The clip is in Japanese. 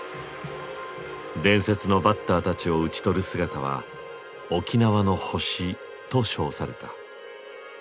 伝説のバッターたちを打ち取る姿は「沖縄の星」と称された。